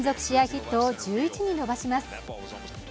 ヒットを１１に伸ばします。